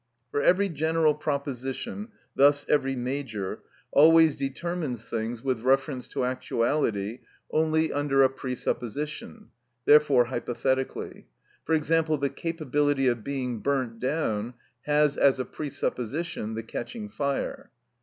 For every general proposition, thus every major, always determines things with reference to actuality only under a presupposition, therefore hypothetically; for example, the capability of being burnt down has as a presupposition the catching fire.